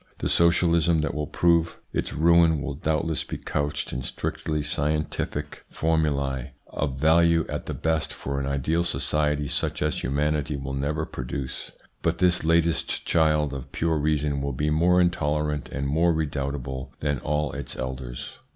The Socialism that will prove its ruin will doubtless be couched in strictly scientific 228 THE PSYCHOLOGY OF PEOPLES : formulae, of value at the best for an ideal society such as humanity will never produce, but this latest child of pure reason will be more intolerant and more redoubt able than all its elders.